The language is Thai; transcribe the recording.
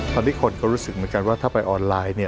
ตอนนี้คนก็รู้สึกเหมือนกันว่าถ้าไปออนไลน์เนี่ย